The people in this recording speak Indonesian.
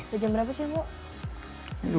udah jam berapa sih bu